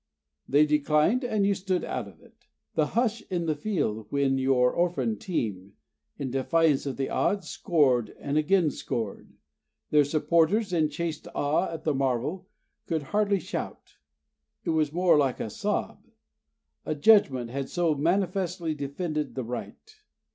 They declined, and you stood out of it. The hush in the field when your orphaned team, in defiance of the odds, scored and again scored! Their supporters, in chaste awe at the marvel, could hardly shout: it was more like a sob: a judgment had so manifestly defended the right.